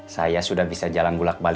saya pakai angkot aja